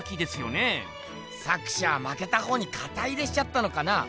作者はまけたほうにかた入れしちゃったのかな？